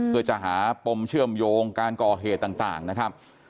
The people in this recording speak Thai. เพื่อจะหาปมเชื่อมโยงการก่อเหตุต่างนะครับ